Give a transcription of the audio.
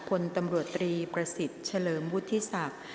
พลตำรวจตรีประสิทธิ์เฉลิมวุฒิศักดิ์